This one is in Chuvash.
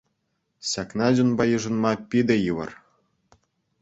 Ҫакна чунпа йышӑнма питӗ йывӑр.